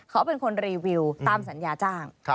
เขาเป็นคนรีวิวตามสัญญาจ้าง